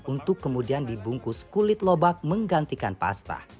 untuk kemudian dibungkus kulit lobak menggantikan pasta